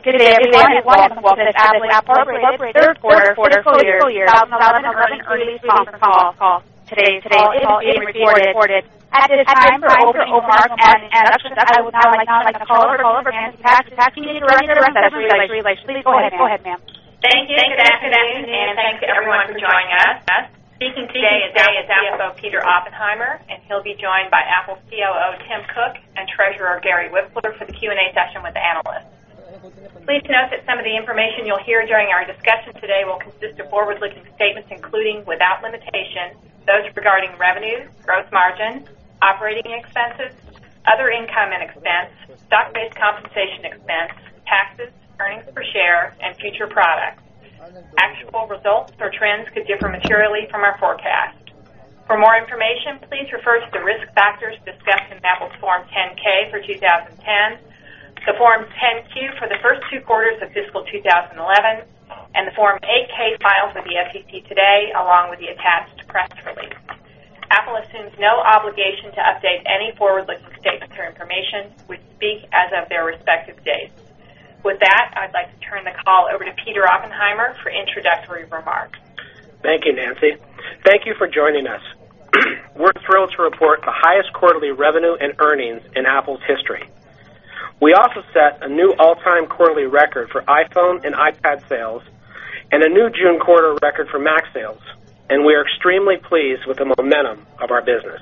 Good afternoon, everyone. Welcome to this Apple Inc. [Corporate Third Quarter Fiscal Year 2011 Earnings Call]. Today's call is being recorded. At this time, [the recorder will mark]. [I will now hand the call over to Nancy Paxton, Senior Director of Investor Relations]. Please go ahead, ma'am. Thank you for asking that. Thank you everyone for joining us. Speaking today is CFO Peter Oppenheimer, and he'll be joined by Apple Inc.'s COO, Tim Cook, and Treasurer, Gary Whitfield, for the Q&A session with the analysts. Please note that some of the information you'll hear during our discussion today will consist of forward-looking statements, including without limitation, those regarding revenue, gross margins, operating expenses, other income and expense, stock-based compensation expense, taxes, earnings per share, and future products. Actual results or trends could differ materially from our forecast. For more information, please refer to the risk factors discussed in Apple Inc.'s Form 10-K for 2010, the Form 10-Q for the first two quarters of fiscal 2011, and the Form 8-K filed with the SEC today, along with the attached press release. Apple Inc. assumes no obligation to update any forward-looking statements or information which speak as of their respective dates. With that, I'd like to turn the call over to Peter Oppenheimer for introductory remarks. Thank you, Nancy. Thank you for joining us. We're thrilled to report the highest quarterly revenue and earnings in Apple's history. We also set a new all-time quarterly record for iPhone and iPad sales, and a new June quarter record for Mac sales, and we are extremely pleased with the momentum of our business.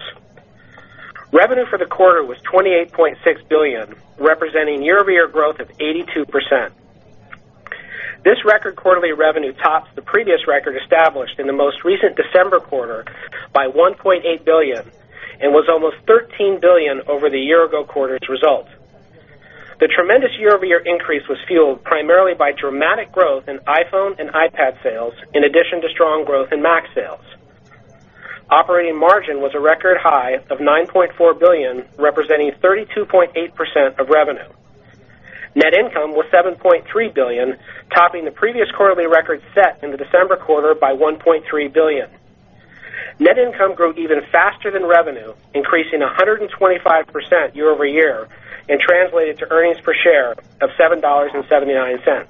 Revenue for the quarter was $28.6 billion, representing year-over-year growth of 82%. This record quarterly revenue tops the previous record established in the most recent December quarter by $1.8 billion and was almost $13 billion over the year-ago quarter's results. The tremendous year-over-year increase was fueled primarily by dramatic growth in iPhone and iPad sales, in addition to strong growth in Mac sales. Operating margin was a record high of $9.4 billion, representing 32.8% of revenue. Net income was $7.3 billion, topping the previous quarterly record set in the December quarter by $1.3 billion. Net income grew even faster than revenue, increasing 125% year-over-year and translated to earnings per share of $7.79.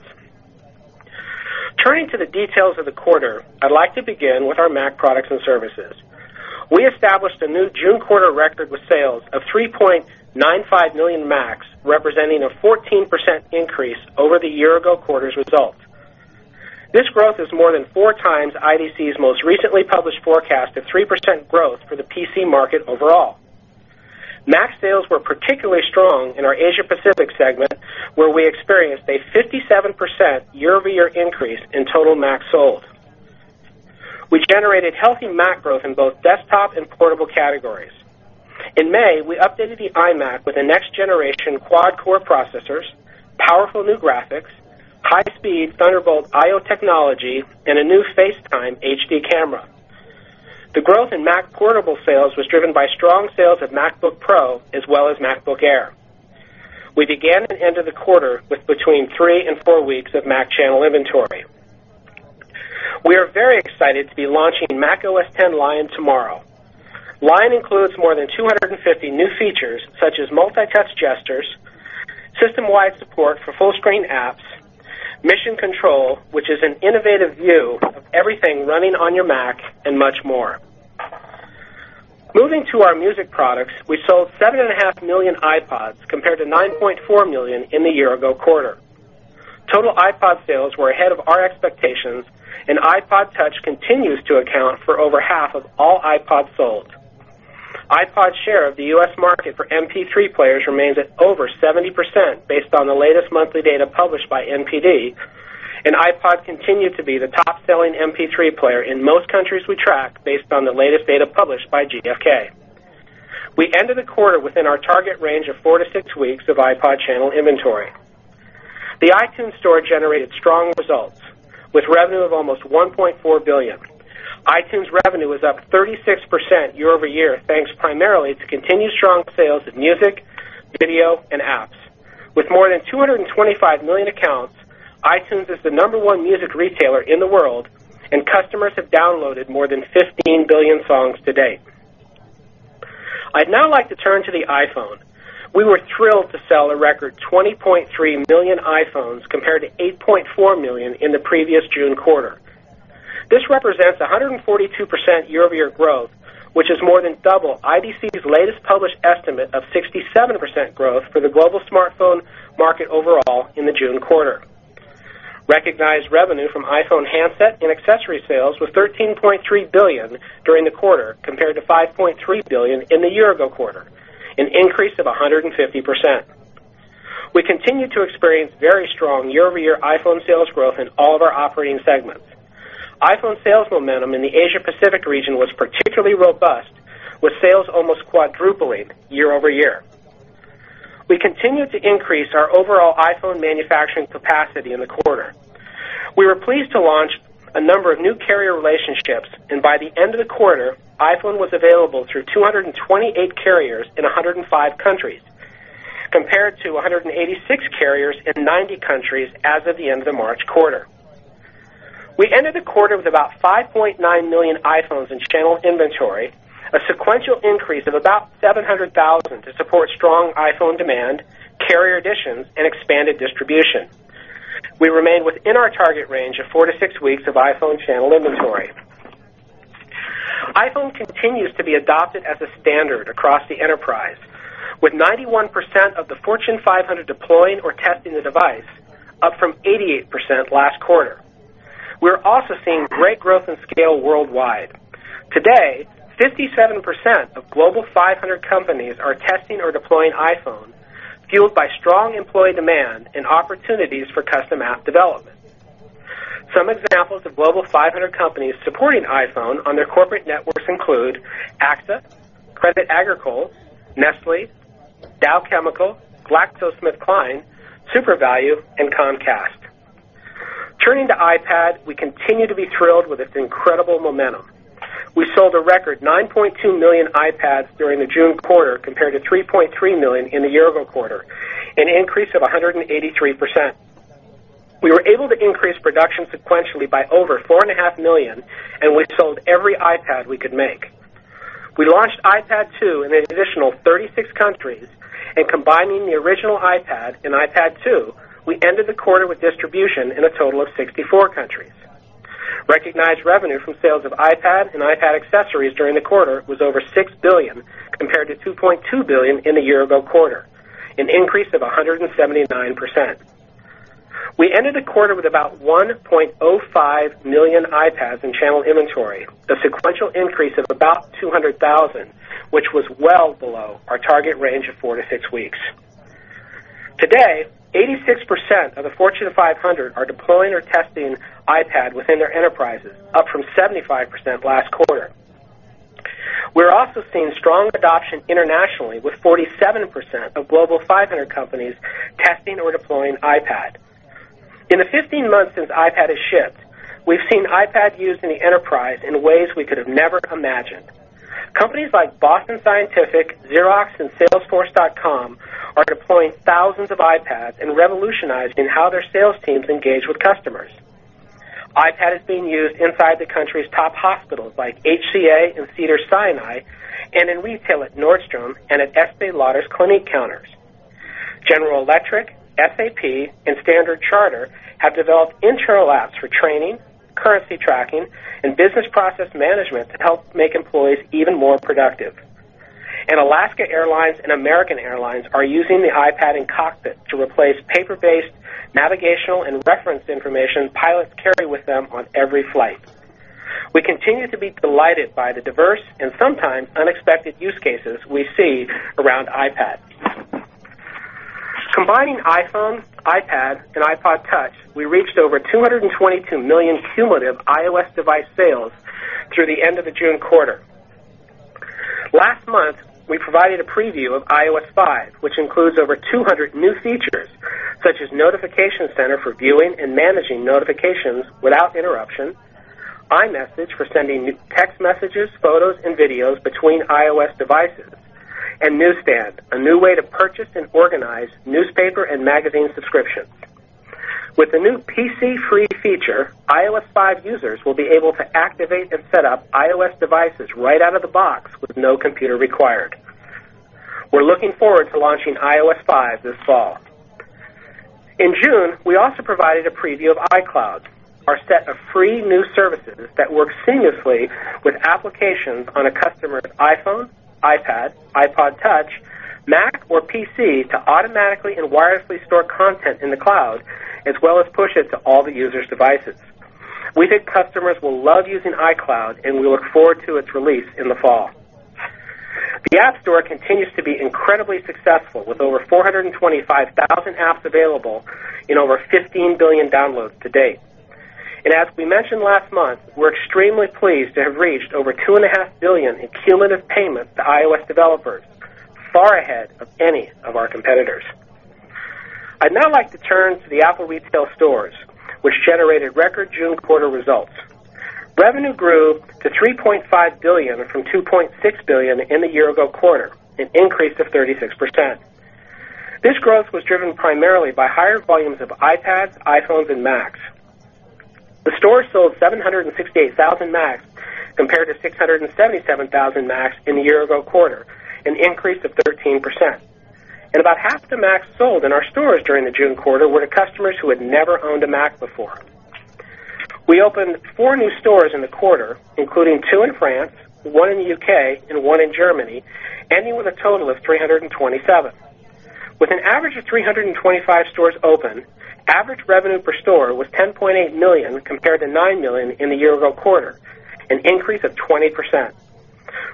Turning to the details of the quarter, I'd like to begin with our Mac products and services. We established a new June quarter record with sales of 3.95 million Macs, representing a 14% increase over the year-ago quarter's results. This growth is more than 4x IDC's most recently published forecast of 3% growth for the PC market overall. Mac sales were particularly strong in our Asia-Pacific segment, where we experienced a 57% year-over-year increase in total Mac sold. We generated healthy Mac growth in both desktop and portable categories. In May, we updated the iMac with the next-generation quad-core processors, powerful new graphics, high-speed Thunderbolt IO technology, and a new FaceTime HD camera. The growth in Mac portable sales was driven by strong sales of MacBook Pro as well as MacBook Air. We began and ended the quarter with between three and four weeks of Mac channel inventory. We are very excited to be launching macOS X Lion tomorrow. Lion includes more than 250 new features, such as multi-touch gestures, system-wide support for full-screen apps, Mission Control, which is an innovative view of everything running on your Mac, and much more. Moving to our music products, we sold 7.5 million iPods, compared to 9.4 million in the year-ago quarter. Total iPod sales were ahead of our expectations, and iPod Touch continues to account for over half of all iPods sold. iPod's share of the U.S. market for MP3 players remains at over 70%, based on the latest monthly data published by NPD, and iPod continued to be the top-selling MP3 player in most countries we track, based on the latest data published by GFK. We ended the quarter within our target range of four to six weeks of iPod channel inventory. The iTunes Store generated strong results, with revenue of almost $1.4 billion. iTunes revenue was up 36% year-over-year, thanks primarily to continued strong sales of music, video, and apps. With more than 225 million accounts, iTunes is the number one music retailer in the world, and customers have downloaded more than 15 billion songs to date. I'd now like to turn to the iPhone. We were thrilled to sell a record 20.3 million iPhones, compared to 8.4 million in the previous June quarter. This represents 142% year-over-year growth, which is more than double IDC's latest published estimate of 67% growth for the global smartphone market overall in the June quarter. Recognized revenue from iPhone handset and accessory sales was $13.3 billion during the quarter, compared to $5.3 billion in the year-ago quarter, an increase of 150%. We continued to experience very strong year-over-year iPhone sales growth in all of our operating segments. iPhone sales momentum in the Asia-Pacific region was particularly robust, with sales almost quadrupling year-over-year. We continued to increase our overall iPhone manufacturing capacity in the quarter. We were pleased to launch a number of new carrier relationships, and by the end of the quarter, iPhone was available through 228 carriers in 105 countries, compared to 186 carriers in 90 countries as of the end of the March quarter. We ended the quarter with about 5.9 million iPhones in channel inventory, a sequential increase of about 700,000 to support strong iPhone demand, carrier additions, and expanded distribution. We remained within our target range of four to six weeks of iPhone channel inventory. iPhone continues to be adopted as a standard across the enterprise, with 91% of the Fortune 500 deploying or testing the device, up from 88% last quarter. We are also seeing great growth in scale worldwide. Today, 57% of Global 500 companies are testing or deploying iPhone, fueled by strong employee demand and opportunities for custom app development. Some examples of Fortune 500 companies supporting iPhone on their corporate networks include: AXA, Credit Agricole, Nestlé, Dow Chemical, GlaxoSmithKline, Supervalu, and Comcast. Turning to iPad, we continue to be thrilled with its incredible momentum. We sold a record 9.2 million iPads during the June quarter, compared to 3.3 million in the year-ago quarter, an increase of 183%. We were able to increase production sequentially by over 4.5 million, and we sold every iPad we could make. We launched iPad 2 in an additional 36 countries, and combining the original iPad and iPad 2, we ended the quarter with distribution in a total of 64 countries. Recognized revenue from sales of iPad and iPad accessories during the quarter was over $6 billion, compared to $2.2 billion in the year-ago quarter, an increase of 179%. We ended the quarter with about 1.05 million iPads in channel inventory, a sequential increase of about 200,000, which was well below our target range of four to six weeks. Today, 86% of the Fortune 500 are deploying or testing iPad within their enterprises, up from 75% last quarter. We're also seeing strong adoption internationally, with 47% of Global 500 companies testing or deploying iPad. In the 15 months since iPad has shipped, we've seen iPad used in the enterprise in ways we could have never imagined. Companies like Boston Scientific, Xerox, and Salesforce.com are deploying thousands of iPads and revolutionizing how their sales teams engage with customers. iPad is being used inside the country's top hospitals, like HCA and Cedars-Sinai, and in retail at Nordstrom and at Estée Lauder's clinic counters. General Electric, FAP, and Standard Chartered have developed internal apps for training, currency tracking, and business process management to help make employees even more productive. Alaska Airlines and American Airlines are using the iPad in cockpit to replace paper-based navigational and reference information pilots carry with them on every flight. We continue to be delighted by the diverse and sometimes unexpected use cases we see around iPad. Combining iPhone, iPad, and iPod Touch, we reached over 222 million cumulative iOS device sales through the end of the June quarter. Last month, we provided a preview of iOS 5, which includes over 200 new features, such as Notification Center for viewing and managing notifications without interruption, iMessage for sending text messages, photos, and videos between iOS devices, and Newsstand, a new way to purchase and organize newspaper and magazine subscriptions. With the new PC free feature, iOS 5 users will be able to activate and set up iOS devices right out of the box with no computer required. We're looking forward to launching iOS 5 this fall. In June, we also provided a preview of iCloud, our set of free new services that work seamlessly with applications on a customer's iPhone, iPad, iPod Touch, Mac, or PC to automatically and wirelessly store content in the cloud, as well as push it to all the users' devices. We think customers will love using iCloud, and we look forward to its release in the fall. The App Store continues to be incredibly successful, with over 425,000 apps available and over 15 billion downloads to date. As we mentioned last month, we're extremely pleased to have reached over $2.5 billion in cumulative payments to iOS developers, far ahead of any of our competitors. I'd now like to turn to the Apple retail stores, which generated record June quarter results. Revenue grew to $3.5 billion from $2.6 billion in the year-ago quarter, an increase of 36%. This growth was driven primarily by higher volumes of iPads, iPhones, and Macs. The stores sold 768,000 Macs compared to 677,000 Macs in the year-ago quarter, an increase of 13%. About half the Macs sold in our stores during the June quarter were to customers who had never owned a Mac before. We opened four new stores in the quarter, including two in France, one in the U.K., and one in Germany, ending with a total of 327. With an average of 325 stores open, average revenue per store was $10.8 million compared to $9 million in the year-ago quarter, an increase of 20%.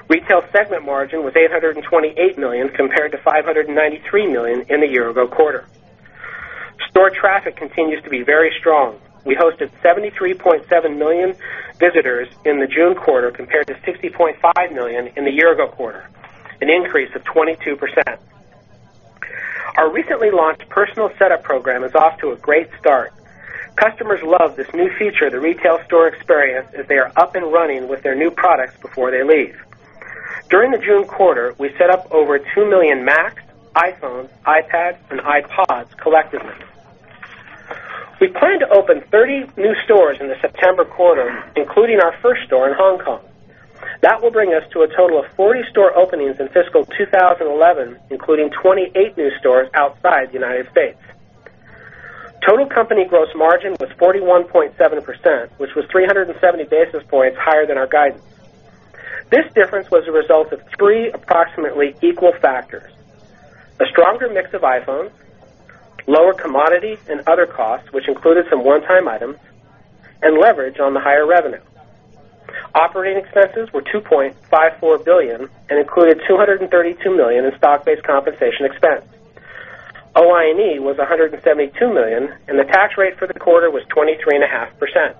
Retail segment margin was $828 million compared to $593 million in the year-ago quarter. Store traffic continues to be very strong. We hosted 73.7 million visitors in the June quarter compared to 60.5 million in the year-ago quarter, an increase of 22%. Our recently launched personal setup program is off to a great start. Customers love this new feature of the retail store experience as they are up and running with their new products before they leave. During the June quarter, we set up over 2 million Macs, iPhones, iPads, and iPods collectively. We plan to open 30 new stores in the September quarter, including our first store in Hong Kong. That will bring us to a total of 40 store openings in fiscal 2011, including 28 new stores outside the U.S. Total company gross margin was 41.7%, which was 370 basis points higher than our guidance. This difference was a result of three approximately equal factors: a stronger mix of iPhones, lower commodity and other costs, which included some one-time items, and leverage on the higher revenue. Operating expenses were $2.54 billion and included $232 million in stock-based compensation expense. OI&E was $172 million, and the tax rate for the quarter was 23.5%.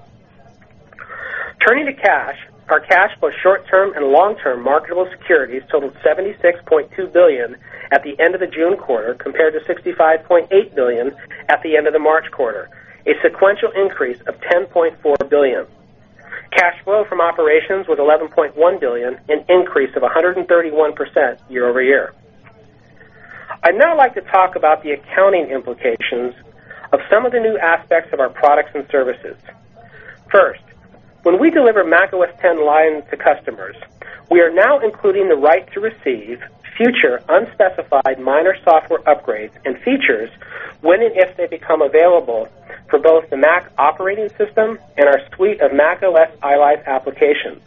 Turning to cash, our cash flow, short-term and long-term marketable securities totaled $76.2 billion at the end of the June quarter compared to $65.8 billion at the end of the March quarter, a sequential increase of $10.4 billion. Cash flow from operations was $11.1 billion, an increase of 131% year-over-year. I'd now like to talk about the accounting implications of some of the new aspects of our products and services. First, when we deliver macOS X Lion to customers, we are now including the right to receive future unspecified minor software upgrades and features when and if they become available for both the Mac operating system and our suite of macOS iLife applications.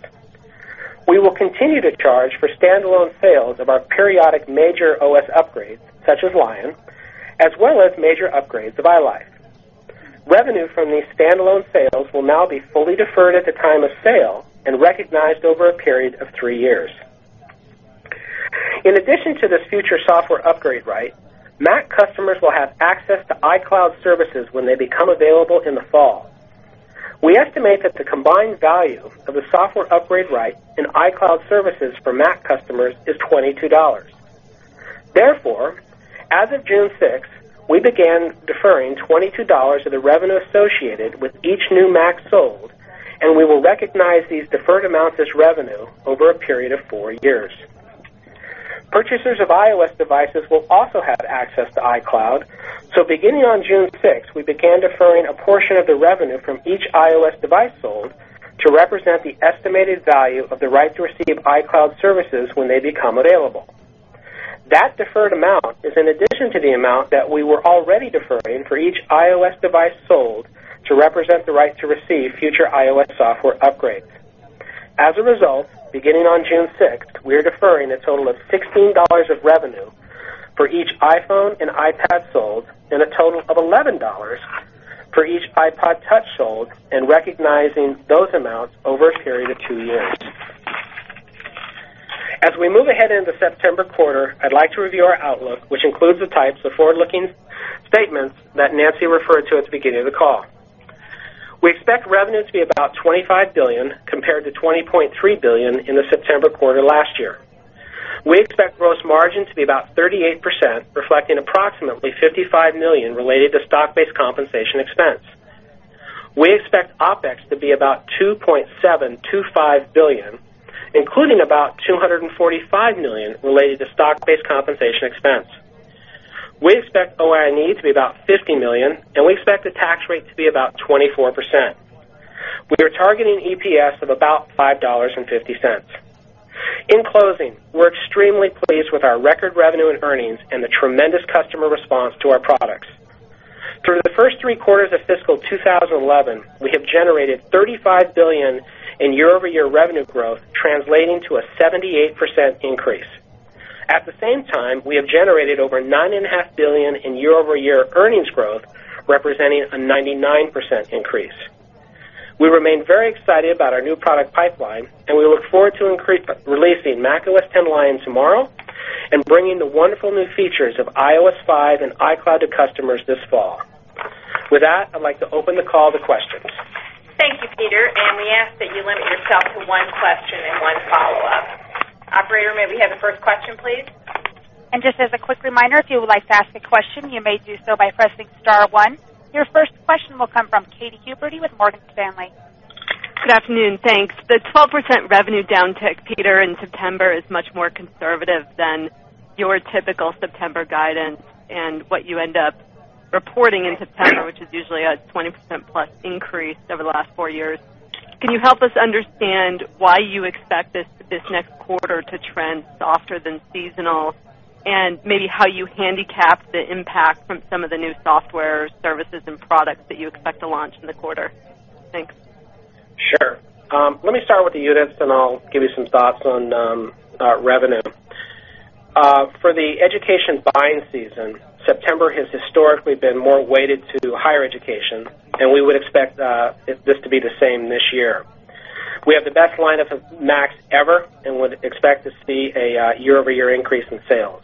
We will continue to charge for standalone sales of our periodic major OS upgrades, such as Lion, as well as major upgrades of iLife. Revenue from these standalone sales will now be fully deferred at the time of sale and recognized over a period of three years. In addition to this future software upgrade right, Mac customers will have access to iCloud services when they become available in the fall. We estimate that the combined value of the software upgrade right and iCloud services for Mac customers is $22. Therefore, as of June 6, we began deferring $22 of the revenue associated with each new Mac sold, and we will recognize these deferred amounts as revenue over a period of four years. Purchasers of iOS devices will also have access to iCloud, so beginning on June 6, we began deferring a portion of the revenue from each iOS device sold to represent the estimated value of the right to receive iCloud services when they become available. That deferred amount is in addition to the amount that we were already deferring for each iOS device sold to represent the right to receive future iOS software upgrades. As a result, beginning on June 6, we are deferring a total of $16 of revenue for each iPhone and iPad sold and a total of $11 for each iPod Touch sold and recognizing those amounts over a period of two years. As we move ahead into the September quarter, I'd like to review our outlook, which includes the types of forward-looking statements that Nancy referred to at the beginning of the call. We expect revenue to be about $25 billion compared to $20.3 billion in the September quarter last year. We expect gross margin to be about 38%, reflecting approximately $55 million related to stock-based compensation expense. We expect OpEx to be about $2.725 billion, including about $245 million related to stock-based compensation expense. We expect OI&E to be about $50 million, and we expect the tax rate to be about 24%. We are targeting EPS of about $5.50. In closing, we're extremely pleased with our record revenue and earnings and the tremendous customer response to our products. Through the first three quarters of fiscal 2011, we have generated $35 billion in year-over-year revenue growth, translating to a 78% increase. At the same time, we have generated over $9.5 billion in year-over-year earnings growth, representing a 99% increase. We remain very excited about our new product pipeline, and we look forward to releasing macOS X Lion tomorrow and bringing the wonderful new features of iOS 5 and iCloud to customers this fall. With that, I'd like to open the call to questions. Thank you, Peter. We ask that you limit yourself to one question and one follow-up. Operator, may we have the first question, please? As a quick reminder, if you would like to ask a question, you may do so by pressing star one. Your first question will come from Katy Huberty with Morgan Stanley. Good afternoon. Thanks. The 12% revenue downtick, Peter, in September is much more conservative than your typical September guidance and what you end up reporting in September, which is usually a 20%+ increase over the last four years. Can you help us understand why you expect this next quarter to trend softer than seasonal, and maybe how you handicap the impact from some of the new software, services, and products that you expect to launch in the quarter? Thanks. Sure. Let me start with the units, and I'll give you some thoughts on revenue. For the education buying season, September has historically been more weighted to higher education, and we would expect this to be the same this year. We have the best lineup of Macs ever and would expect to see a year-over-year increase in sales.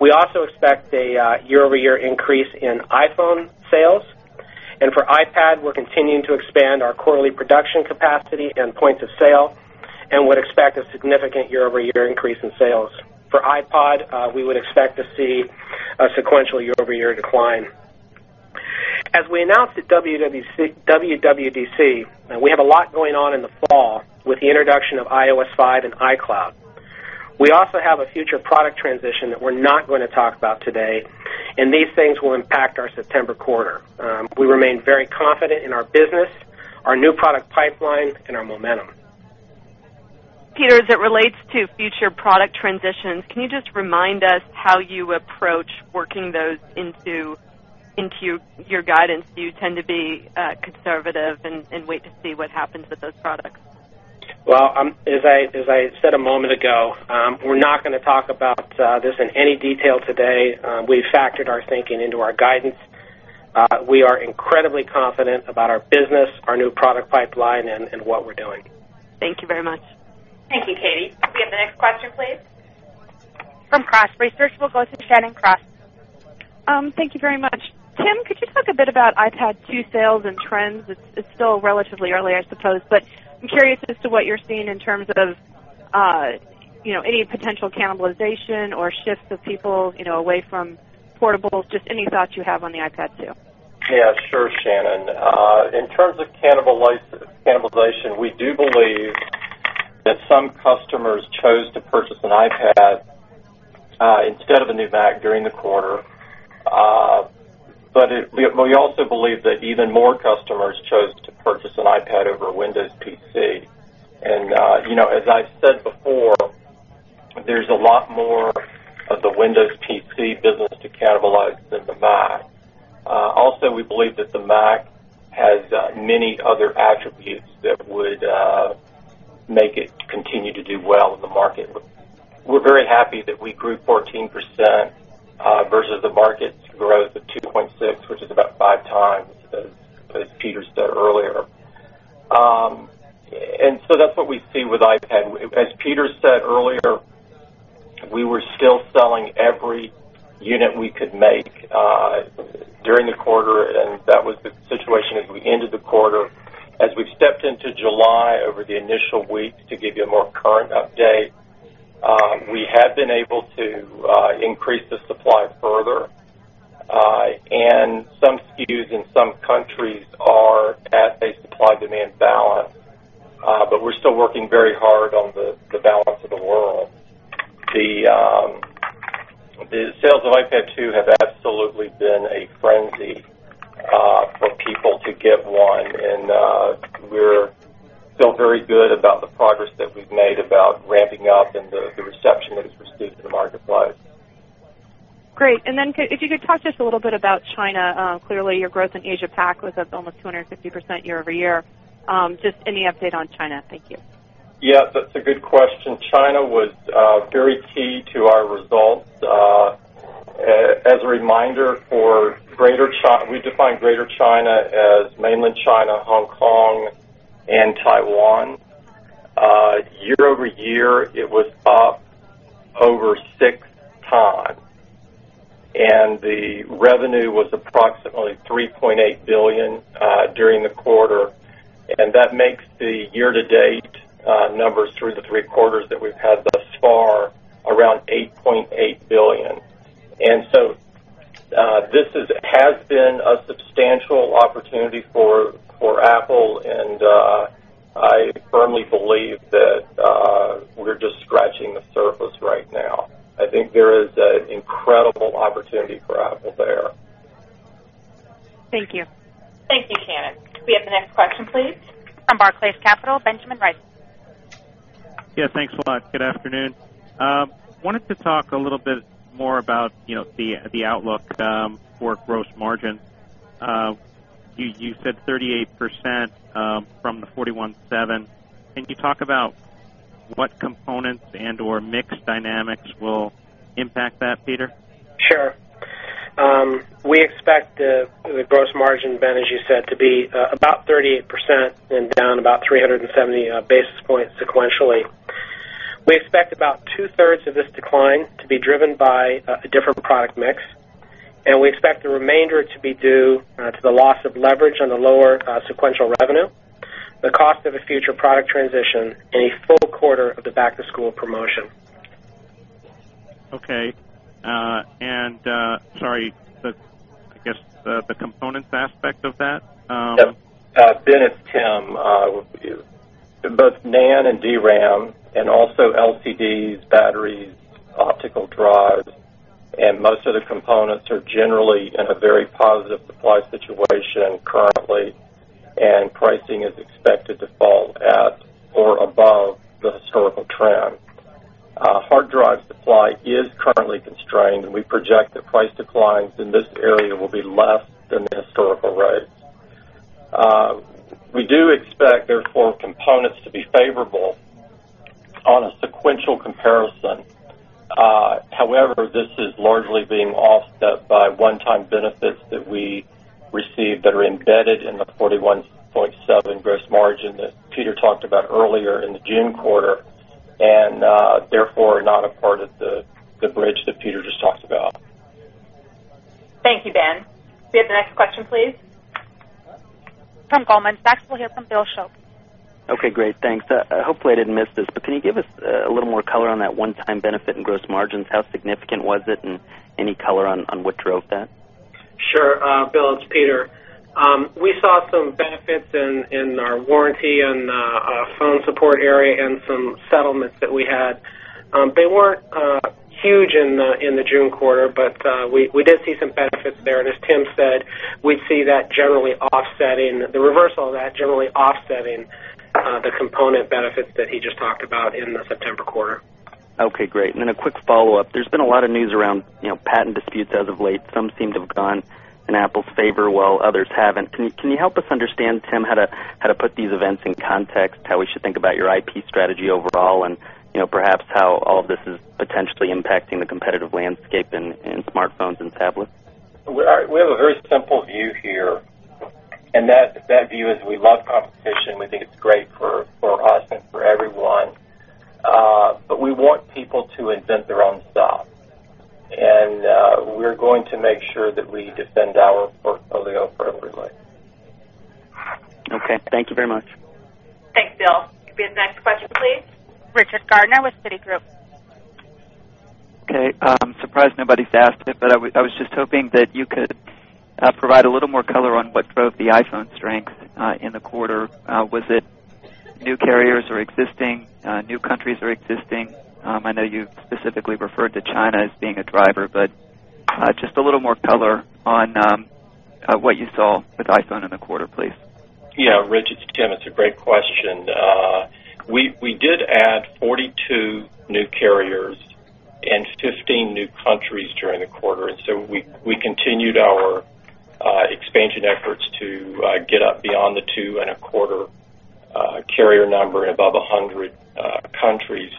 We also expect a year-over-year increase in iPhone sales. For iPad, we're continuing to expand our quarterly production capacity and points of sale and would expect a significant year-over-year increase in sales. For iPod, we would expect to see a sequential year-over-year decline. As we announced at WWDC, we have a lot going on in the fall with the introduction of iOS 5 and iCloud. We also have a future product transition that we're not going to talk about today, and these things will impact our September quarter. We remain very confident in our business, our new product pipeline, and our momentum. Peter, as it relates to future product transitions, can you just remind us how you approach working those into your guidance? Do you tend to be conservative and wait to see what happens with those products? As I said a moment ago, we're not going to talk about this in any detail today. We've factored our thinking into our guidance. We are incredibly confident about our business, our new product pipeline, and what we're doing. Thank you very much. Thank you, Katy. Can we have the next question, please? From CROSS Research, we'll go to Shannon Cross. Thank you very much. Tim, could you talk a bit about iPad 2 sales and trends? It's still relatively early, I suppose, but I'm curious as to what you're seeing in terms of any potential cannibalization or shifts of people away from portables. Just any thoughts you have on the iPad 2. Yeah, sure, Shannon. In terms of cannibalization, we do believe that some customers chose to purchase an iPad instead of a new Mac during the quarter, but we also believe that even more customers chose to purchase an iPad over a Windows PC. As I've said before, there's a lot more of the Windows PC business to cannibalize than the Mac. Also, we believe that the Mac has many other attributes that would make it continue to do well in the market. We're very happy that we grew 14% versus the market's growth of 2.6%, which is about 5x, as Peter said earlier. That's what we see with iPad. As Peter said earlier, we were still selling every unit we could make during the quarter, and that was the situation as we ended the quarter. As we've stepped into July over the initial weeks, to give you a more current update, we have been able to increase the supply further, and some SKUs in some countries are at a supply-demand balance, but we're still working very hard on the balance of the world. The sales of iPad 2 have absolutely been a frenzy for people to get one, and we feel very good about the progress that we've made about ramping up and the reception that it's received in the marketplace. Great. Could you talk just a little bit about China? Clearly, your growth in Asia-Pac was up almost 250% year-over-year. Just any update on China? Thank you. Yeah, that's a good question. China was very key to our results. As a reminder for Greater China, we define Greater China as mainland China, Hong Kong, and Taiwan. Year-over-year, it was up over 6x, and the revenue was approximately $3.8 billion during the quarter. That makes the year-to-date numbers through the three quarters that we've had thus far around $8.8 billion. This has been a substantial opportunity for Apple, and I firmly believe that we're just scratching the surface right now. I think there is an incredible opportunity for Apple there. Thank you. Thank you, Shannon. Can we have the next question, please? From Barclays Capital, Benjamin Reitz. Yeah, thanks a lot. Good afternoon. I wanted to talk a little bit more about the outlook for gross margin. You said 38% from the 41.7%. Can you talk about what components and/or mix dynamics will impact that, Peter? Sure. We expect the gross margin band, as you said, to be about 38% and down about 370 basis points sequentially. We expect about 2/3 of this decline to be driven by a different product mix, and we expect the remainder to be due to the loss of leverage on the lower sequential revenue, the cost of a future product transition, and a full quarter of the back-to-school promotion. Okay. Sorry, I guess the components aspect of that? Yeah. Ben, it's Tim. NAND and DRAM and also LCDs, batteries, optical drives, and most of the components are generally in a very positive supply situation currently, and pricing is expected to fall at or above the historical trend. Hard drive supply is currently constrained, and we project that price declines in this area will be less than the historical rate. We do expect, therefore, components to be favorable on a sequential comparison. However, this is largely being offset by one-time benefits that we receive that are embedded in the 41.7% gross margin that Peter talked about earlier in the June quarter and therefore are not a part of the bridge that Peter just talked about. Thank you, Ben. Can we have the next question, please? From Goldman Sachs, we'll hear from Bill Shope. Okay, great. Thanks. Hopefully, I didn't miss this, but can you give us a little more color on that one-time benefit and gross margins? How significant was it, and any color on what drove that? Sure. Bill, it's Peter. We saw some benefits in our warranty and phone support area and some settlements that we had. They weren't huge in the June quarter, but we did see some benefits there. As Tim said, we'd see that generally offsetting the reversal of that, generally offsetting the component benefits that he just talked about in the September quarter. Okay, great. A quick follow-up. There's been a lot of news around patent disputes as of late. Some seem to have gone in Apple’s favor while others haven't. Can you help us understand, Tim, how to put these events in context, how we should think about your IP strategy overall, and perhaps how all of this is potentially impacting the competitive landscape in smartphones and tablets? We have a very simple view here, and that view is we love competition. We think it's great for us and for everyone, but we want people to invent their own stuff, and we're going to make sure that we defend our portfolio appropriately. Okay, thank you very much. Thanks, Bill. Can we have the next question, please? Richard Gardner with Citigroup. Okay. Surprised nobody's asked it, but I was just hoping that you could provide a little more color on what drove the iPhone strength in the quarter. Was it new carriers or existing, new countries or existing? I know you specifically referred to China as being a driver, but just a little more color on what you saw with iPhone in the quarter, please. Yeah, Rich, it's Tim, it's a great question. We did add 42 new carriers and 15 new countries during the quarter, and we continued our expansion efforts to get up beyond the 2.25 carrier number and above 100 countries.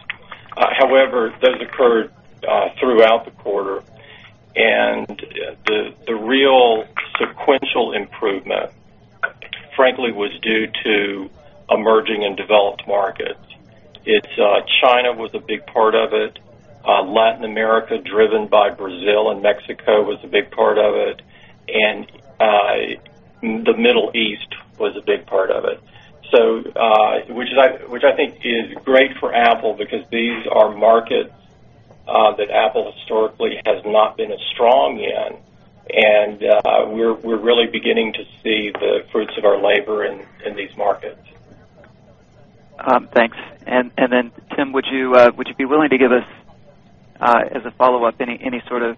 However, those occurred throughout the quarter, and the real sequential improvement, frankly, was due to emerging and developed markets. China was a big part of it. Latin America, driven by Brazil and Mexico, was a big part of it, and the Middle East was a big part of it, which I think is great for Apple because these are markets that Apple historically has not been as strong in, and we're really beginning to see the fruits of our labor in these markets. Thank you. Tim, would you be willing to give us, as a follow-up, any sort of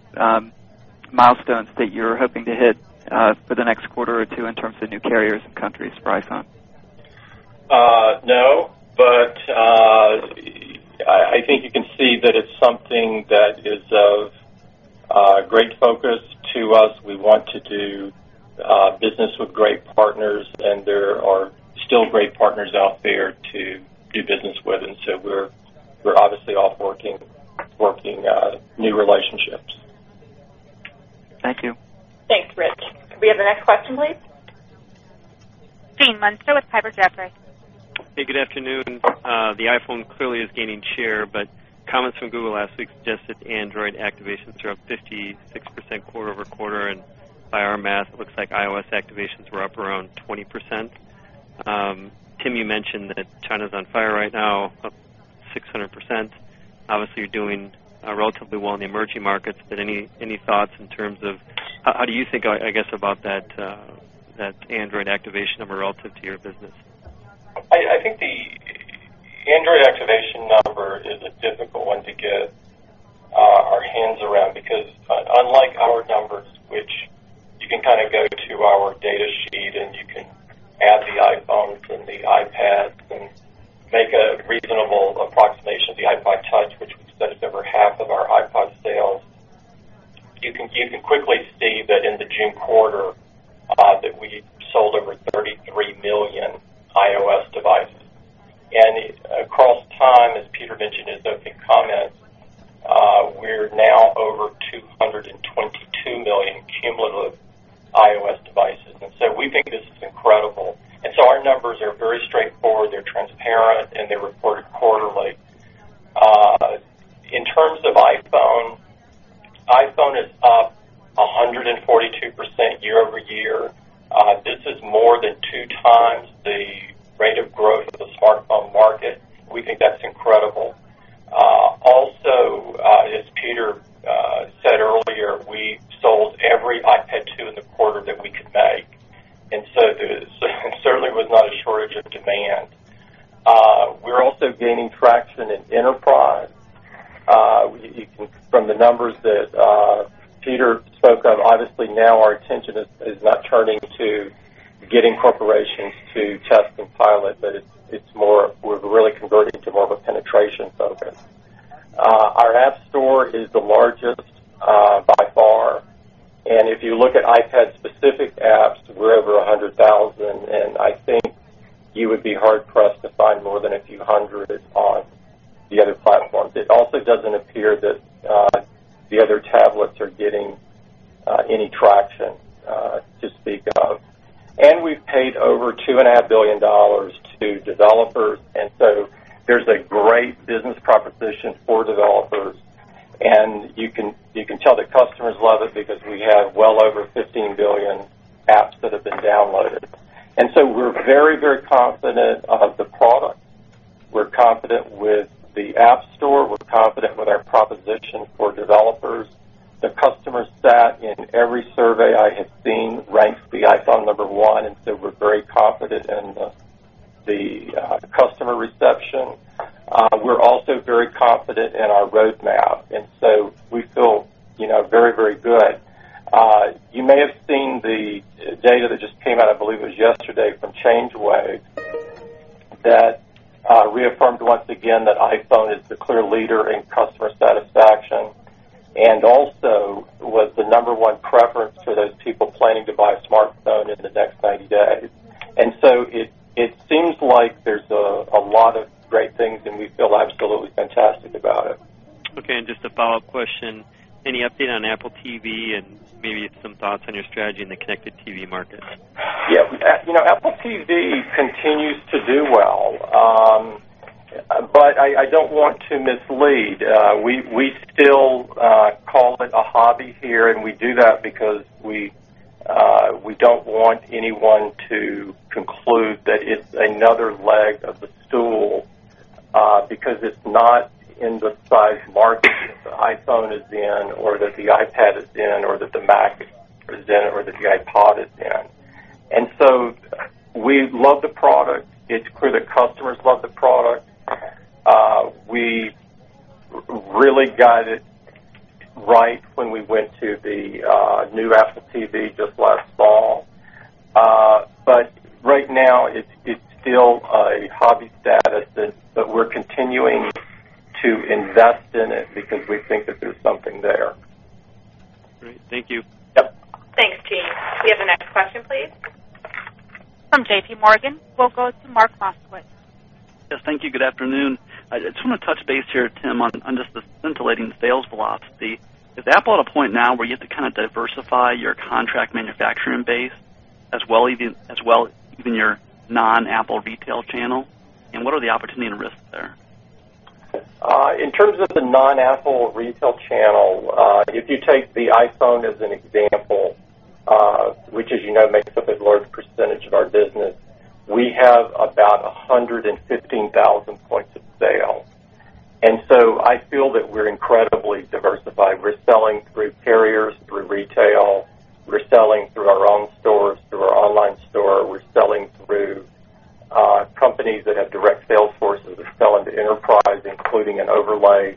milestones that you're hoping to hit for the next quarter or two in terms of new carriers and countries for iPhone? No, I think you can see that it's something that is of great focus to us. We want to do business with great partners, and there are still great partners out there to do business with, and we're obviously off working new relationships. Thank you. Thanks, Rich. Can we have the next question, please? Gene Munster with Piper Jaffray. Hey, good afternoon. The iPhone clearly is gaining share, but comments from Google last week suggested Android activations are up 56% quarter over quarter, and by our math, it looks like iOS activations were up around 20%. Tim, you mentioned that China's on fire right now, up 600%. Obviously, you're doing relatively well in the emerging markets, but any thoughts in terms of how do you think, I guess, about that Android activation number relative to your business? I think the Android activation number is a difficult one to get our hands around because, unlike our numbers, which you can kind of go to our data sheet and you can add the iPhones and the iPads and make a reasonable approximation of the iPod Touch, which would say it's over half of our iPod sales, you can quickly see that in the June quarter that we sold over 33 million iOS devices. Across time, as Peter mentioned in his opening comments, we're now over 222 million cumulative iOS devices, and we think this is incredible. Our numbers are very straightforward. They're transparent, and they're reported quarterly. In terms of iPhone, iPhone is up 142% year-over-year. This is more than 2x the rate of growth of the smartphone market. We think that's incredible. Also, as Peter said earlier, we sold every iPad 2 in the quarter we don't want anyone to conclude that it's another leg of the stool because it's not in the size market that the iPhone is in, or that the iPad is in, or that the Mac is in, or that the iPod is in. We love the product. It's clear that customers love the product. We really got it right when we went to the new Apple TV just last fall. Right now, it's still a hobby status, but we're continuing to invest in it because we think that there's something there. Great. Thank you. Yep. Thanks, Gene. Can we have the next question, please? From J.P. Morgan. We'll go to Mark Moskowitz. Yes, thank you. Good afternoon. I just want to touch base here, Tim, on just the scintillating sales velocity. Is Apple at a point now where you have to kind of diversify your contract manufacturing base as well as even your non-Apple retail channel? What are the opportunity and risks there? In terms of the non-Apple retail channel, if you take the iPhone as an example, which, as you know, makes up a large percentage of our business, we have about 115,000 points of sale. I feel that we're incredibly diversified. We're selling through carriers, through retail. We're selling through our own stores, through our online store. We're selling through companies that have direct sales forces that sell into enterprise, including an overlay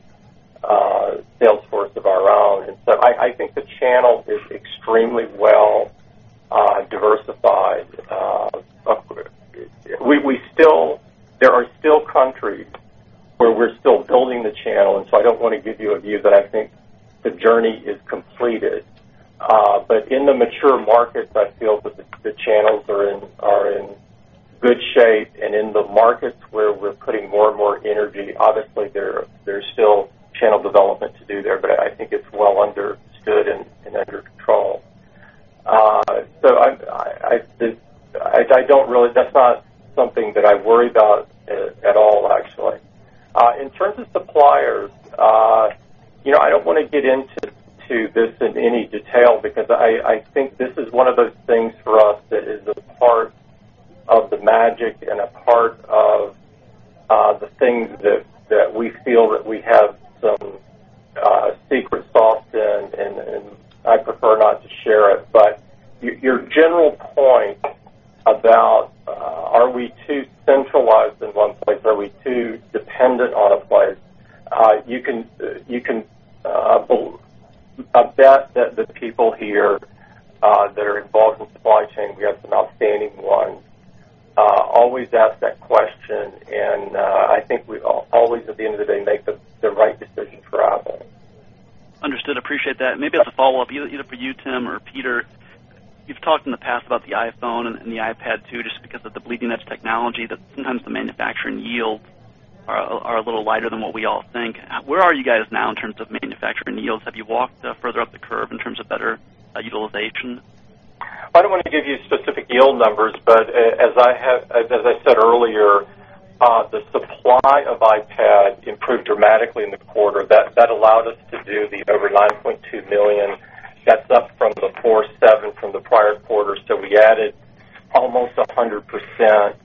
almost 100%.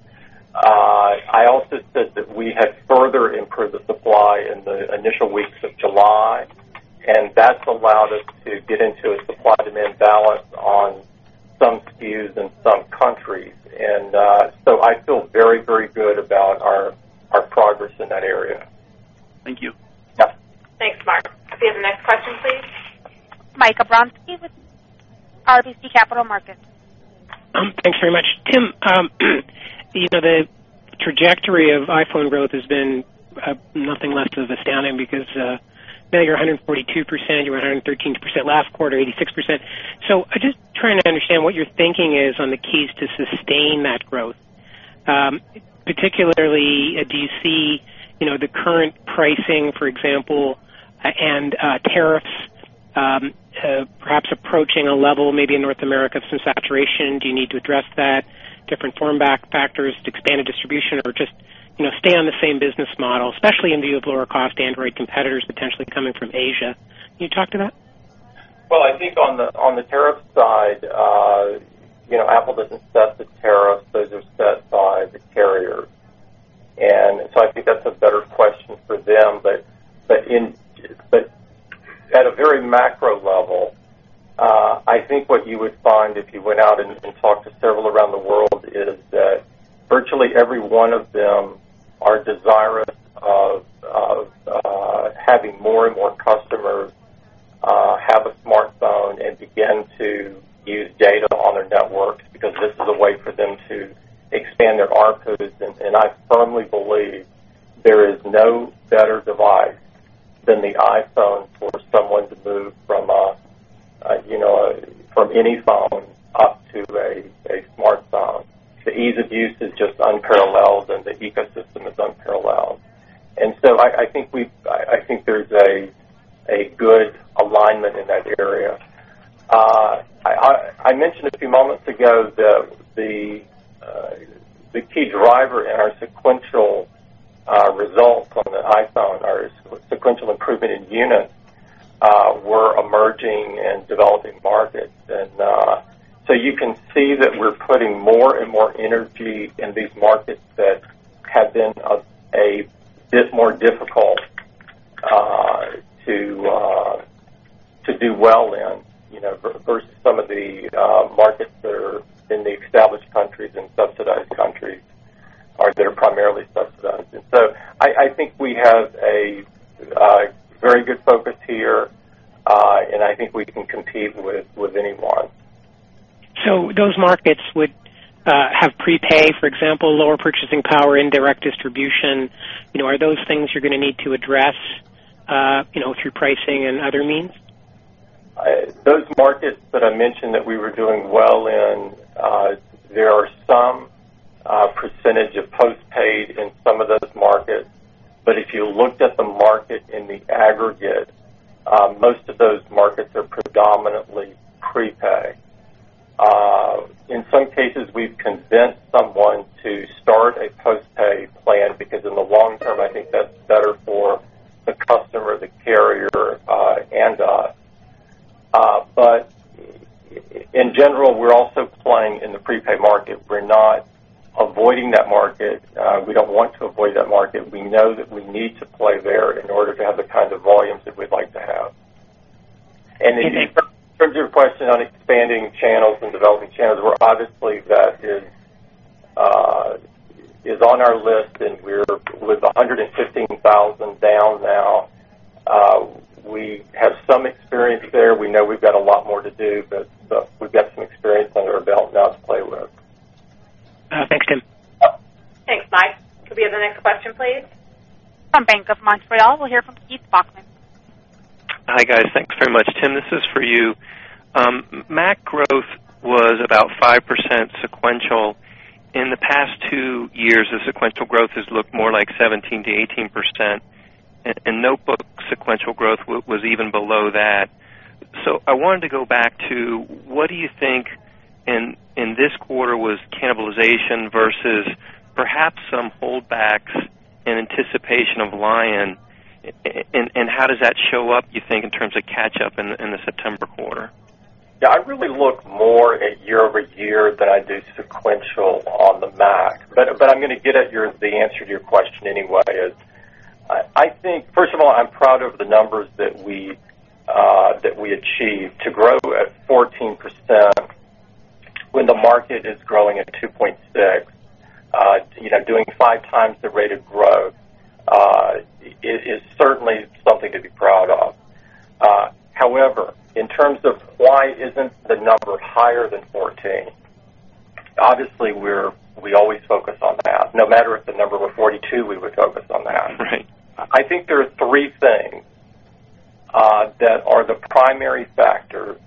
I also said that we had further improved the supply in the initial weeks of July, and that's allowed us to get into a supply-demand balance on some SKUs in some countries. I feel very, very good about our progress in that area. Thank you. Yeah. Thanks, Mark. Can we have the next question, please? Mike Abramsky with RBC Capital Markets. Thanks very much. Tim, you know the trajectory of iPhone growth has been nothing less than astounding because you're 142%, you were at 113% last quarter, 86%. I'm just trying to understand what your thinking is on the keys to sustain that growth. Particularly, do you see the current pricing, for example, and tariffs perhaps approaching a level maybe in North America of some saturation? Do you need to address that, different form factors to expand a distribution, or just stay on the same business model, especially in view of lower-cost Android competitors potentially coming from Asia? Can you talk to that? I think on the tariff side, you know Apple doesn't set the tariffs. Those are set by the carriers. I think that's a better question for them. At a very macro level, I think what you would find if you went out and talked to several around the world is that virtually every one of them are desirous prepay. In some cases, we've convinced someone to start a postpaid plan because in the long term, I think that's better for the customer, the carrier, and us. In general, we're also playing in the prepaid market. We're not avoiding that market. We don't want to avoid that market. We know that we need to play there in order to have the kind of volumes that we'd like to have. In terms of your question on expanding channels and developing channels, that's obviously on our list, and we're at 115,000 down now. We have some experience there. We know we've got a lot more to do, but we've got some experience under our belt and out of play list. Thanks, Tim. Thanks, Mike. Can we have the next question, please? From Bank of Montreal, we'll hear from Steve [Wexman]. Hi, guys. Thanks very much. Tim, this is for you. Mac growth was about 5% sequential. In the past two years, the sequential growth has looked more like 17%-18%, and notebook sequential growth was even below that. I wanted to go back to what do you think in this quarter was cannibalization versus perhaps some holdbacks in anticipation of macOS X Lion? How does that show up, you think, in terms of catch-up in the September quarter? I really look more at year-over-year than I do sequential on the Mac. I'm going to get at the answer to your question anyway. I think, first of all, I'm proud of the numbers that we achieved to grow at 14% when the market is growing at 2.6%. Doing 5x the rate of growth is certainly something to be proud of. However, in terms of why isn't the number higher than 14%, obviously, we always focus on that. No matter if the number were 42%, we would focus on that. Right. I think there are three things that are the primary factors,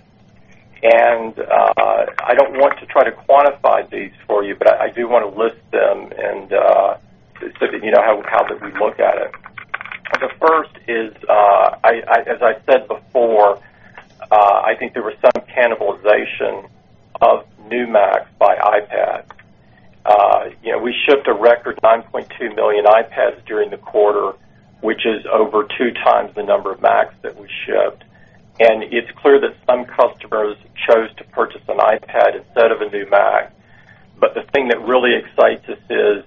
and I don't want to try to quantify these for you, but I do want to list them so that you know how we look at it. The first is, as I said before, I think there was some cannibalization of new Macs by iPad. We shipped a record 9.2 million iPads during the quarter, which is over 2x the number of Macs that we shipped. It is clear that some customers chose to purchase an iPad instead of a new Mac. The thing that really excites us is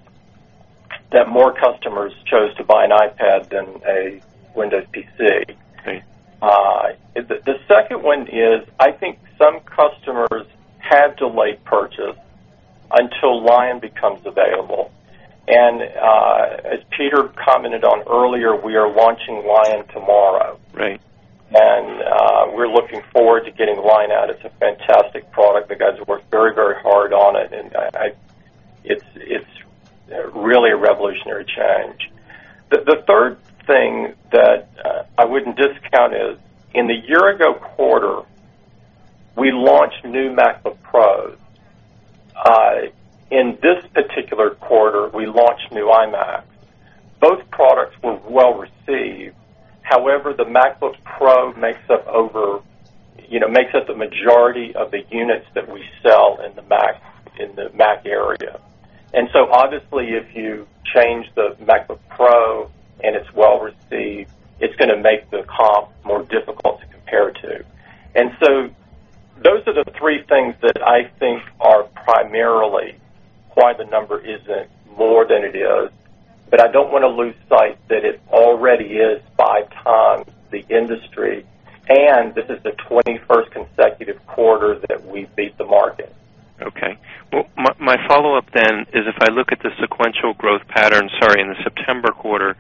that more customers chose to buy an iPad than a Windows PC. Right. The second one is I think some customers had delayed purchase until Lion becomes available. As Peter commented on earlier, we are launching Lion tomorrow. Right. We are looking forward to getting Lion out. It's a fantastic product. The guys have worked very, very hard on it, and it's really a revolutionary change. The third thing that I wouldn't discount is in the year-ago quarter, we launched new MacBook Pros. In this particular quarter, we launched new iMacs. Both products were well received. However, the MacBook Pro makes up the majority of the units that we sell in the Mac area. Obviously, if you change the MacBook Pro and it's well received, it's going to make the comp more difficult to compare to. Those are the three things that I think are primarily why the number isn't more than it is, but I don't want to lose sight that it already is 5x the industry, and this is the 21st consecutive quarter that we beat the market. Okay. My follow-up then is if I look at the sequential growth pattern in the September quarter,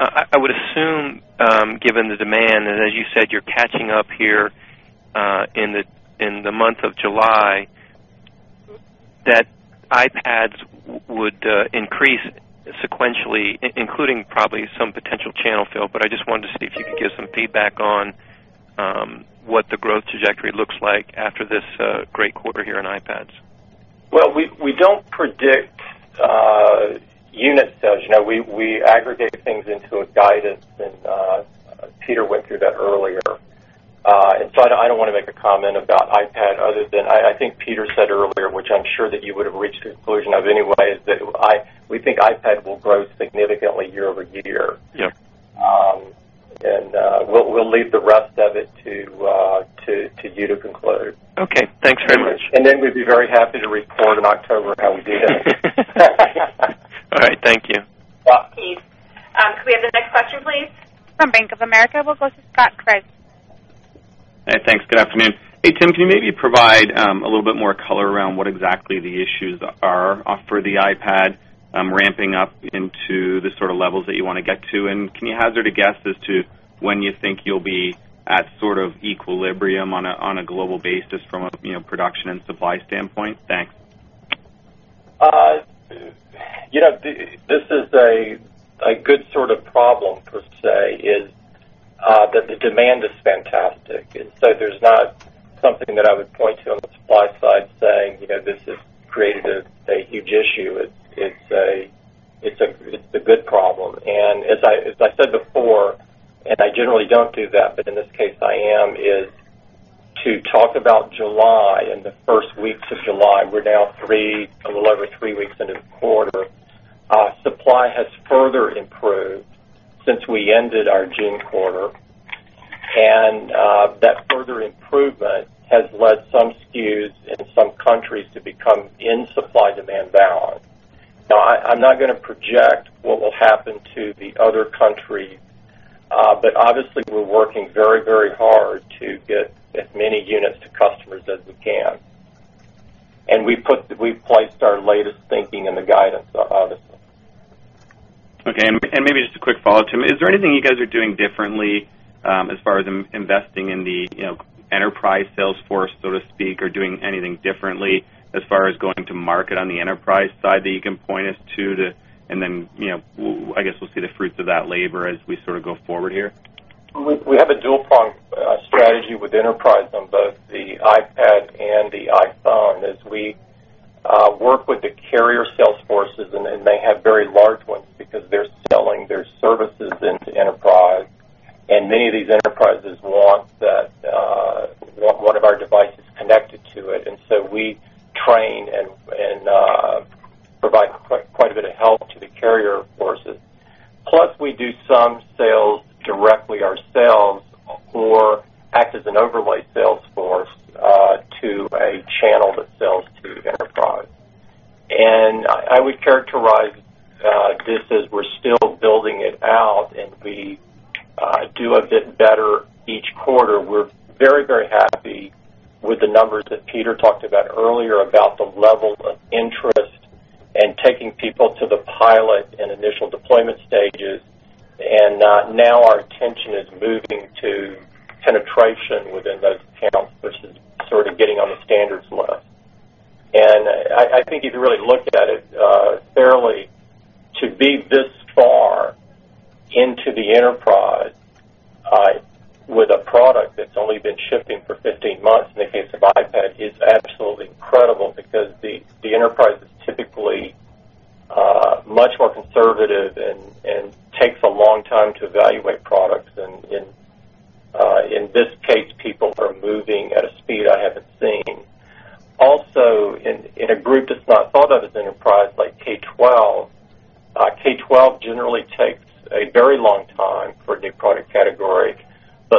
I would assume, given the demand, and as you said, you're catching up here in the month of July, that iPads would increase sequentially, including probably some potential channel fill. I just wanted to see if you could give some feedback on what the growth trajectory looks like after this great quarter here on iPads. We don't predict unit sales. You know, we aggregate things into a guidance, and Peter went through that earlier. I don't want to make a comment about iPad other than I think Peter said earlier, which I'm sure that you would have reached the conclusion of anyway, is that we think iPad will grow significantly year-over-year. Yeah. We'll leave the rest of it to you to conclude. Okay, thanks very much. We'd be very happy to record in October how we did it. All right. Thank you. Thanks, Steve. Can we have the next question, please? From Bank of America, we'll go to Scott Craig. Hey, thanks. Good afternoon. Hey, Tim, can you maybe provide a little bit more color around what exactly the issues are for the iPad ramping up into the sort of levels that you want to get to? Can you hazard a guess as to when you think you'll be at sort of equilibrium on a global basis from a production and supply standpoint? Thanks. You know. This is a good sort of problem per se, is that the demand is fantastic. There's not something that I would point to on the supply side saying, "You know, this has created a huge issue." It's a good problem. As I said before, and I generally don't do that, but in this case, I am, is to talk about July and the first weeks of July. We're now a little over three weeks into the quarter. Supply has further improved since we ended our June quarter, and that further improvement has led some SKUs in some countries to become in supply-demand balance. I'm not going to project what will happen to the other countries, but obviously, we're working very, very hard to get as many units to customers as we can. We've placed our latest thinking in the guidance, obviously. Okay. Maybe just a quick follow-up, Tim. Is there anything you guys are doing differently as far as investing in the enterprise sales force, so to speak, or doing anything differently as far as going to market on the enterprise side that you can point us to? I guess we'll see the fruits of that labor as we sort of go forward here. We have a dual-prong strateagy with enterprise on both the iPad and the iPhone. As we work with the carrier sales forces, and they have very large ones because they're selling their services into enterprise, many of these enterprises want one of our devices connected to it. We train and provide quite a bit of help to the carrier forces. Plus, we do some sales directly ourselves or act as an overlay sales force to a channel that sells to enterprise. I would characterize this as we're still building it out, and we do a bit better each quarter. We're very, very happy with the numbers that Peter talked about earlier about the level of interest and taking people to the pilot and initial deployment stages. Now our attention is moving to penetration within those accounts, which is sort of getting on the standards list. I think if you really look at it, fairly, to be this far into the enterprise with a product that's only been shipping for 15 months, in the case of iPad, is absolutely incredible because the enterprise is typically much more conservative and takes a long time to evaluate products. In this case, people are moving at a speed I haven't seen. Also, in a group that's not thought of as enterprise like K12, K12 generally takes a very long time for a new product category.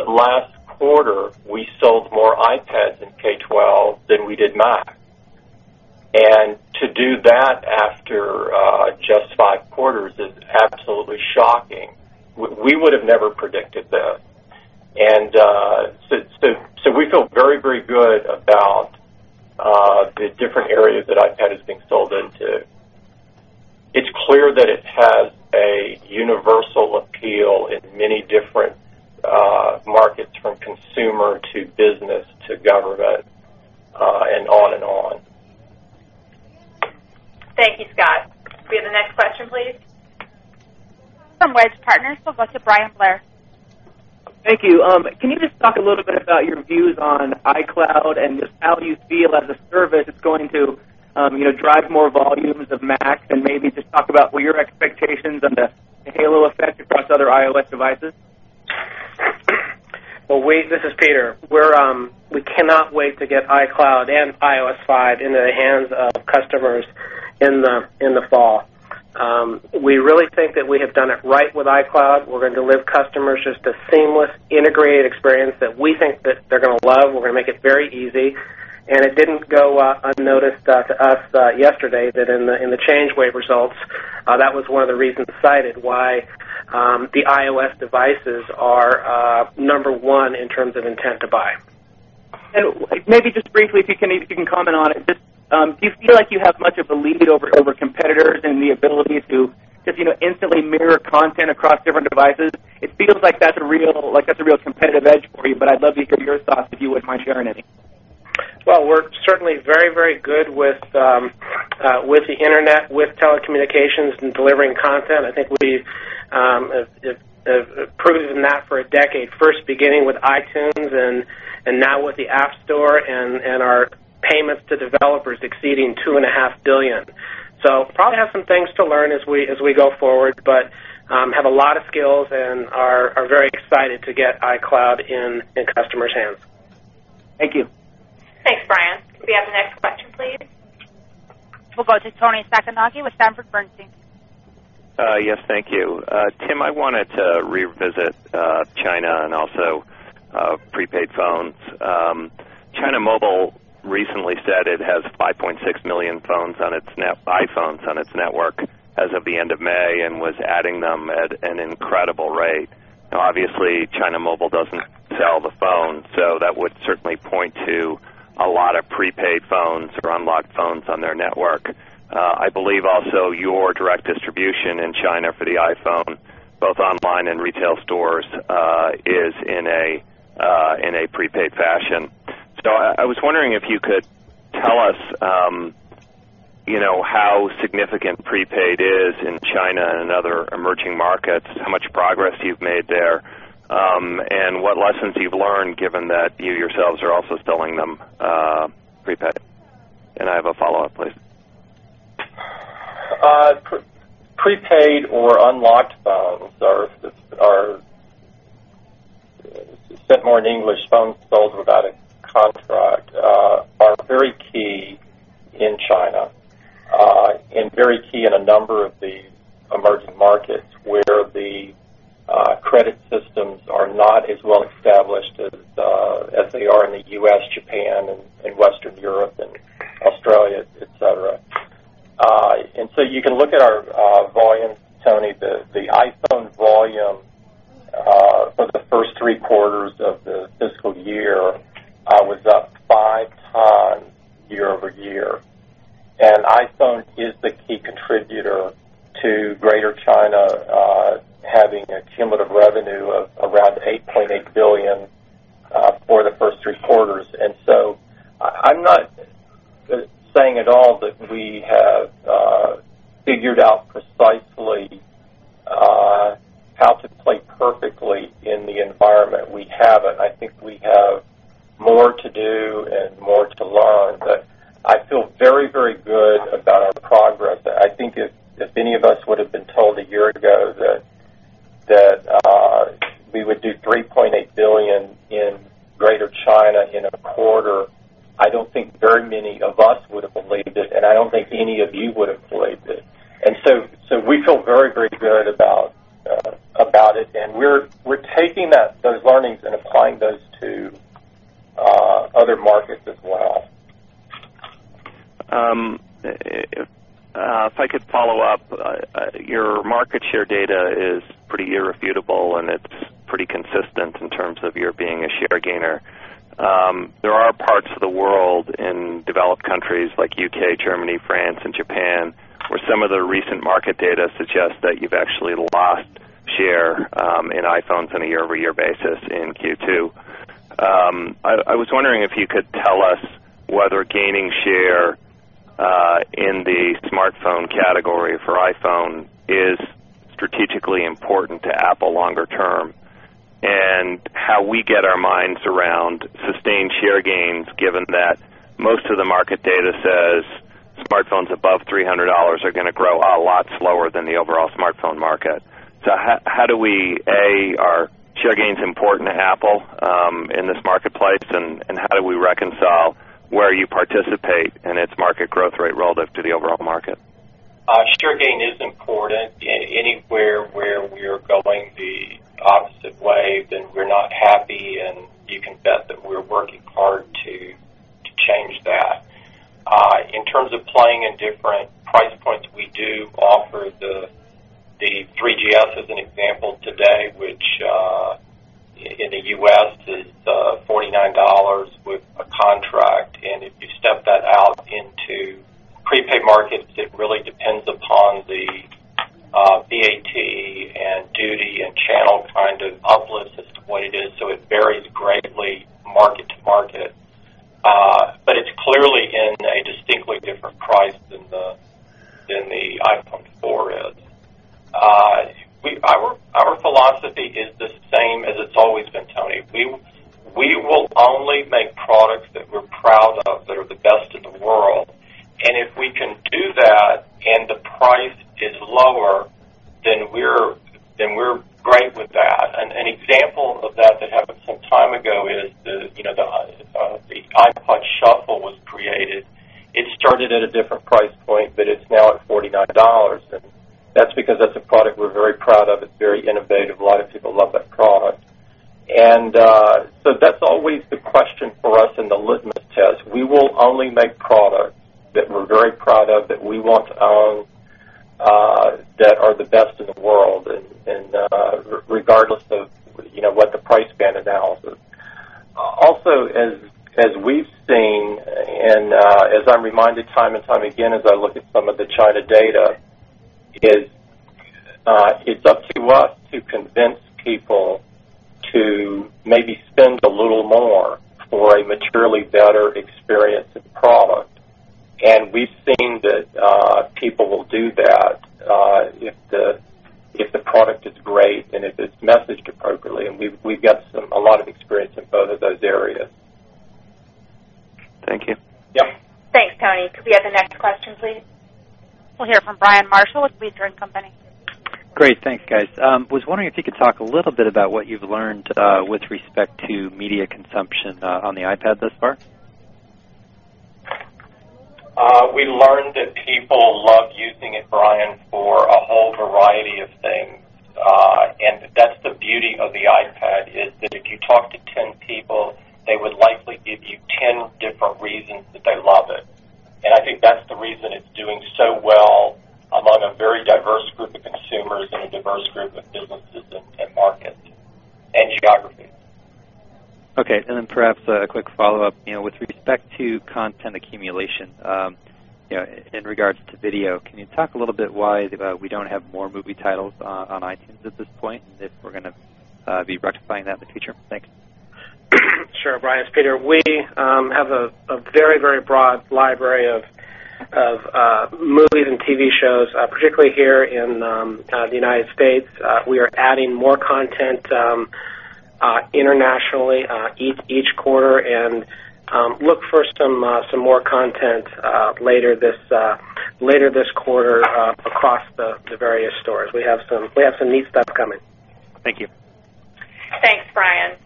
Last quarter, we sold more iPads in K12 than we did Macs. To do that after just five quarters is absolutely shocking. We would have never predicted this. We feel very, very good about the different areas that iPad is being sold into. It's clear that it has a universal appeal in many different markets, from consumer to business to government and on and on. Thank you, Scott. Can we have the next question, please? From Wedge Partners, we'll go to Brian Blair. Thank you. Can you just talk a little bit about your views on iCloud and just how you feel as a service it's going to drive more volumes of Macs, and maybe just talk about what your expectations on the halo effect across other iOS devices? This is Peter. We cannot wait to get iCloud and iOS 5 into the hands of customers in the fall. We really think that we have done it right with iCloud. We're going to deliver customers just a seamless, integrated experience that we think that they're going to love. We're going to make it very easy. It didn't go unnoticed to us yesterday that in the Changeway results, that was one of the reasons cited why the iOS devices are number one in terms of intent to buy. Maybe just briefly, if you can comment on it, do you feel like you have much of a lead over competitors in the ability to just instantly mirror content across different devices? It feels like that's a real competitive edge for you, but I'd love to hear your thoughts if you wouldn't mind sharing any. We are certainly very, very good with the internet, with telecommunications, and delivering content. I think we've proven that for a decade, first beginning with iTunes and now with the App Store and our payments to developers exceeding $2.5 billion. We probably have some things to learn as we go forward, but have a lot of skills and are very excited to get iCloud in customers' hands. Thank you. Thanks, Brian. Can we have the next question, please? We'll go to Toni Sacconaghi with Sanford Bernstein. Yes, thank you. Tim, I wanted to revisit China and also prepaid phones. China Mobile recently said it has 5.6 million phones on its network as of the end of May and was adding them at an incredible rate. Obviously, China Mobile doesn't sell the phone, so that would certainly point to a lot of prepaid phones or unlocked phones on their network. I believe also your direct distribution in China for the iPhone, both online and retail stores, is in a prepaid fashion. I was wondering if you could tell us how significant prepaid is in China and other emerging markets, how much progress you've made there, and what lessons you've learned given that you yourselves are also selling them prepaid. I have a follow-up, please. Prepaid or unlocked phones, or said more in English, phones sold without a contract, are very key in China and very key in a number of the emerging markets where the credit systems are not as well established as they are in the U.S., Japan, Western Europe, and Australia, etc. You can look at our volume, Toni. The iPhone volume for the first three quarters of the fiscal year was up 5x year-over-year. iPhone is the key contributor to Greater China having a cumulative revenue of around $8.8 billion for the first three quarters. I'm not saying at all that we have figured out precisely how to play perfectly in the environment. We haven't. I think we have more to do and more to learn, but I feel very, very good about our progress. I think if any of us would have been told a year ago that we would do $3.8 billion in Greater China in a quarter, I don't think very many of us would have believed it, and I don't think any of you would have believed it. We feel very, very good about it, and we're taking that learning and applying those to other markets as well. If I could follow up, your market share data is pretty irrefutable, and it's pretty consistent in terms of your being a share gainer. There are parts of the world in developed countries like the U.K., Germany, France, and Japan where some of the recent market data suggests that you've actually lost share in iPhones on a year-over-year basis in Q2. I was wondering if you could tell us whether gaining share in the smartphone category for iPhone is strategically important to Apple longer term and how we get our minds around sustained share gains, given that most of the market data says smartphones above $300 are going to grow a lot slower than the overall smartphone market. Are share gains important to Apple in this marketplace, and how do we reconcile where you participate in its market growth rate relative to the overall market? Share gain is important. Anywhere where we are going the opposite way, then we're not happy, and you can bet that we're working hard to change that. In terms of playing in different price points, we do offer the 3GS as an example today, which in the U.S. is $49 with a contract. If you step that out into prepaid markets, it really depends upon the VAT and duty and channel kind of obsolescence of what it is. It varies greatly market to market, but it's clearly in a distinctly different price than the iPhone 4 is. Our philosophy is the same as it's always been, Toni. We will only make products that we're proud of that are the best in the world. If we can do that and the price is lower, then we're great with that. An example of that that happened some time ago is the iPod Shuffle was created. It started at a different price point, but it's now at $49. That's because that's a product we're very proud of. It's very innovative. A lot of people love that product. That's always the question for us in the litmus test. We will only make products that we're very proud of, that we want to own, that are the best in the world, regardless of what the price band analysis. Also, as we've seen and as I'm reminded time and time again as I look at some of the China data, it's up to us to convince people to maybe spend a little more for a materially better experience of the product. We've seen that people will do that if the product is great and if it's messaged appropriately. We've got a lot of experience in both of those areas. Thank you. Yep. Thanks, Toni. Can we have the next question, please? We'll hear from Brian Marshall with [Beethoven Company]. Great. Thanks, guys. I was wondering if you could talk a little bit about what you've learned with respect to media consumption on the iPad thus far. We learned that people love using it, Brian, for a whole variety of things. That is the beauty of the iPad, is that if you talk to 10 people, they would likely give you 10 different reasons that they love it. I think that's the reason it's doing so well among a very diverse group of consumers and a diverse group of businesses and markets and geographies. Okay. Perhaps a quick follow-up. You know, with respect to content accumulation, in regards to video, can you talk a little bit about why we don't have more movie titles on iTunes at this point and if we're going to be rectifying that in the future? Thanks. Sure, Brian. It's Peter. We have a very, very broad library of movies and TV shows, particularly here in the U.S. We are adding more content internationally each quarter and look for some more content later this quarter across the various stores. We have some neat stuff coming. Thank you. Thanks, Brian.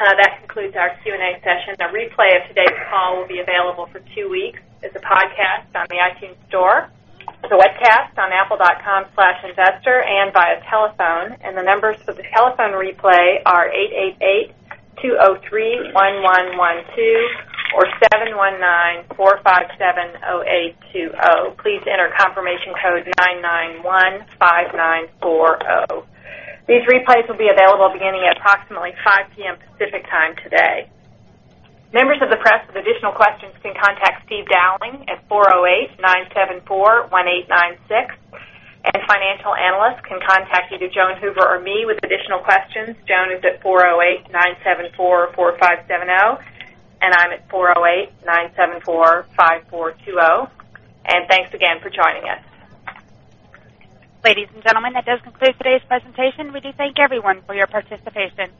That concludes our Q&A session. The replay of today's call will be available for two weeks as a podcast on the iTunes Store, the webcast on apple.com/investor, and via telephone. The numbers for the telephone replay are 888-203-1112 or 719-457-0820. Please enter confirmation code 991-5940. These replays will be available beginning at approximately 5:00 P.M. Pacific Time today. Members of the press with additional questions can contact Steve Dowling at 408-974-1896. A financial analyst can contact either Joan Hoover or me with additional questions. Joan is at 408-974-4570, and I'm at 408-974-5420. Thanks again for joining us. Ladies and gentlemen, that does conclude today's presentation. We thank everyone for your participation.